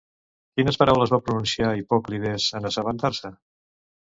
Quines paraules va pronunciar Hipòclides en assabentar-se?